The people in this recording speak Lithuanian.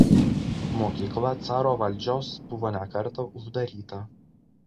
Mokykla caro valdžios buvo ne kartą uždaryta.